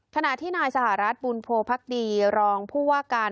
ขณะที่นายสหรัฐบุญโพภักดีรองผู้ว่าการ